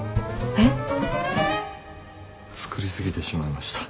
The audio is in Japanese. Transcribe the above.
えっ！？作りすぎてしまいました。